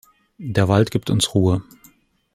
Der Wald gibt uns Ruhe.